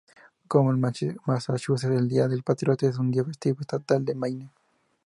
Como en Massachusetts, el Día del Patriota es un día festivo estatal en Maine.